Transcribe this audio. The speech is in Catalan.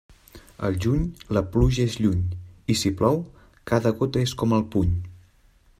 Al juny, la pluja és lluny, i si plou, cada gota és com el puny.